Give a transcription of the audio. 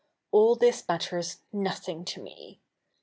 All this matters nothing to me.